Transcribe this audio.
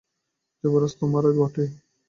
যুবরাজ তোমারই বটে!